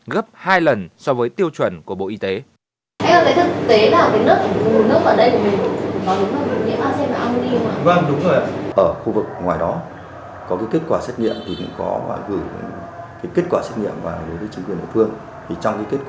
gấp hai lần so với tiểu lượng nước